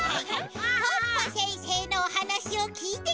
ポッポせんせいのおはなしをきいてください。